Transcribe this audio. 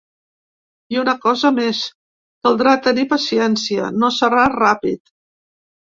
I una cosa més: caldrà tenir paciència, no serà ràpid.